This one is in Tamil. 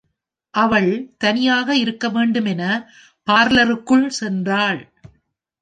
அவள் தனியாக இருக்க வேண்டும் என பார்லருக்குள் சென்றாள்.